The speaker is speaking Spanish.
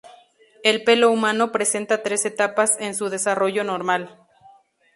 El pelo humano presenta tres etapas en su desarrollo normal.